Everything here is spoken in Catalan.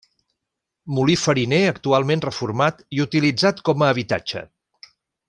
Molí fariner actualment reformat i utilitzat com a habitatge.